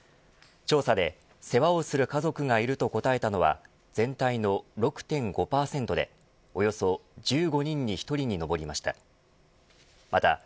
調査で、世話をする家族がいると答えたのは全体の６．５％でおよそ１５人に１人に上りました。